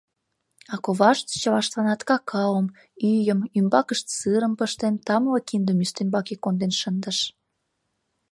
А ковашт чылаштланат какаом, ӱйым, ӱмбакышт сырым пыштыман тамле киндым ӱстембаке конден шындыш.